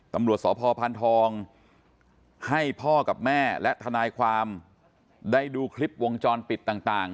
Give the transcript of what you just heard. ตำรวจสพพานทองให้พ่อกับแม่และทนายความได้ดูคลิปวงจรปิดต่าง